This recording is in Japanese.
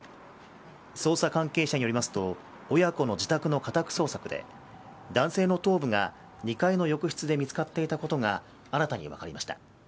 捜査関係者によりますと親子の自宅の家宅捜索で男性の頭部が２階の浴室で見つかっていたことが新たに分かりました。